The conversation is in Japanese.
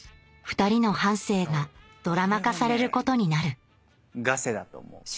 ふたりの半生がドラマ化されることになるガセだと思う。